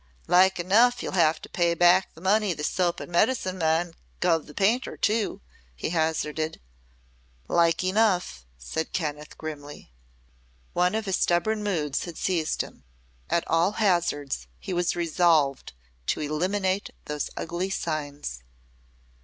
"Like enough ye'll hev to pay back the money the soap an' medicine men guv th' painter, too," he hazarded. "Like enough," said Kenneth, grimly. One of his stubborn moods had seized him. At all hazards he was resolved to eliminate those ugly signs.